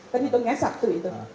terhitungnya sabtu itu